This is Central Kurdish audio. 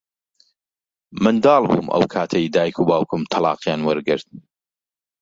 منداڵ بووم ئەو کاتەی دیک و باوکم تەڵاقیان وەرگرت.